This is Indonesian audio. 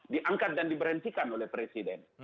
diangkat dan diberhentikan oleh presiden